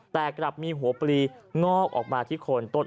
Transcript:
แต่กลับมีหัวปลีงอกออกมาที่โคนต้น